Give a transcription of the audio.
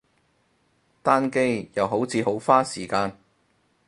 單機，又好似好花時間